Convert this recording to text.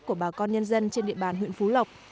của bà con nhân dân trên địa bàn huyện phú lộc